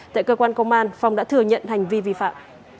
tại cơ quan công an phong đã thừa nhận hành vi vi phạm